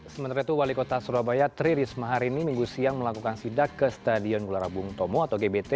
sementara itu wali kota surabaya tri risma hari ini minggu siang melakukan sidak ke stadion gelora bung tomo atau gbt